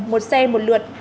một xe một lượt